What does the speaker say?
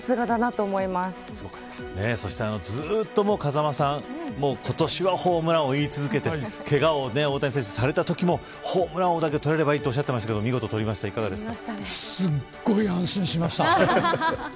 そしてずっと、風間さん今年はホームラン王言い続けてけがを大谷選手がされたときもホームラン王だけ取れればいいとおっしゃっていましたがすごい安心しました。